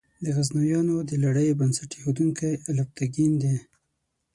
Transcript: د غزنویانو د لړۍ بنسټ ایښودونکی الپتکین دی.